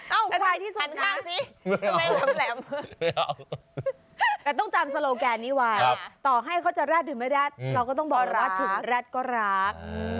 เอ้าขันข้างสิไม่เอาไม่เอาแต่ต้องจำโซโลแกนนี้ไว้ต่อให้เขาจะรัดหรือไม่รัดเราก็ต้องบอกว่าถึงรัดก็รัก